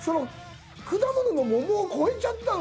果物の桃を超えちゃったんですよ